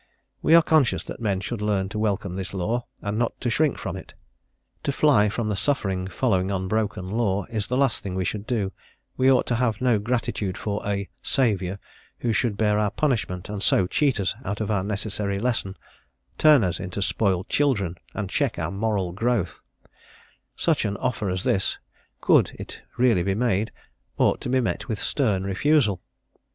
We are conscious that men should learn to welcome this law, and not to shrink from it. To fly from the suffering following on broken law is the last thing we should do; we ought to have no gratitude for a "Saviour" who should bear our punishment, and so cheat us out of our necessary lesson, turn us into spoiled children, and check our moral growth; such an offer as this, could it really be made, ought to be met with stern refusal.